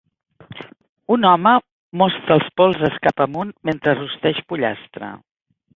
Un home mostra els polzes cap amunt mentre rosteix pollastre.